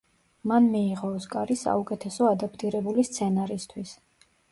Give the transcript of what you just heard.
მან მიიღო ოსკარი საუკეთესო ადაპტირებული სცენარისთვის.